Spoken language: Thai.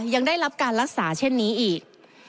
ยังได้รับการรักษาเช่นนี้อีก